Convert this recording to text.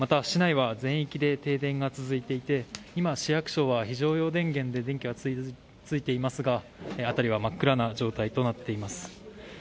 市内は全域で停電が続いていて今、市役所は非常用電源で電気はついていますが辺りは真っ暗な状態です。